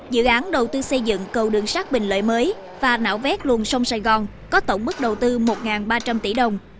dự án đầu tư xây dựng cầu đường sắt bình lợi mới và não vét luồng sông sài gòn có tổng mức đầu tư một ba trăm linh tỷ đồng